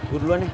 gue duluan ya